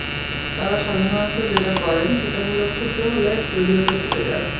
তাঁরা সাধারণত যেটা করেন সেটা হলো ক্ষুব্ধ হলে স্টুডিওতে ছুটে যান।